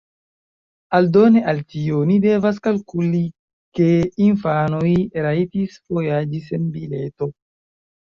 Aldone al tio, oni devas kalkuli ke infanoj rajtis vojaĝi sen bileto.